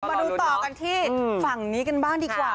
มาดูต่อกันที่ฝั่งนี้กันบ้างดีกว่า